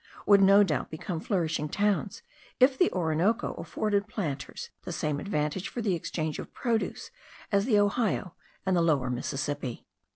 would no doubt become flourishing towns, if the Orinoco afforded planters the same advantages for the exchange of produce, as the Ohio and the Lower Mississippi.